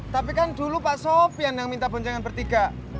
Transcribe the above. tapi kan dulu pak sofian yang minta poncengan bertiga